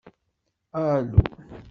Alu!